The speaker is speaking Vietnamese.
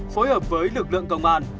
phối hợp với lực lượng công an